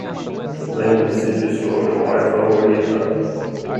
Lembre-se de sua memória favorita.